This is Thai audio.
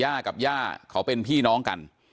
กับย่าเขาเป็นพี่น้องกัน